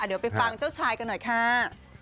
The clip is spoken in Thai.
เดี๋ยวไปฟังเจ้าชายกันหน่อยค่ะ